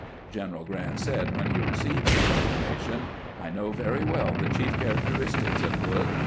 General Grant said when he received this information :" I know very well the chief characteristics of Hood.